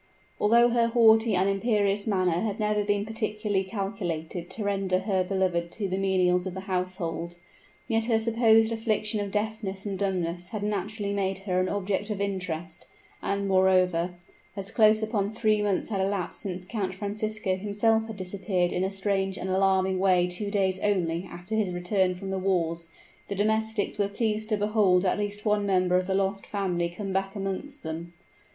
Although her haughty and imperious manner had never been particularly calculated to render her beloved by the menials of the household, yet her supposed affliction of deafness and dumbness had naturally made her an object of interest; and, moreover, as close upon three months had elapsed since Count Francisco himself had disappeared in a strange and alarming way two days only after his return from the wars, the domestics were pleased to behold at least one member of the lost family come back amongst them.